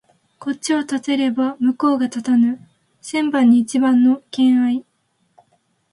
こっちを立てれば向こうが立たぬ千番に一番の兼合い